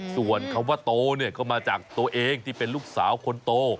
ส่วนคำว่าโตเนี่ยก็มาจากตัวเองที่เป็นลูกสาวคนโต